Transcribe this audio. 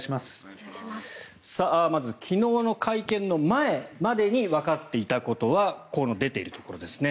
まず昨日の会見の前までにわかっていたことはこの出ているところですね。